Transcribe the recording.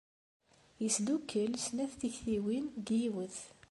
Yesdukkel snat tiktiwin deg yiwet.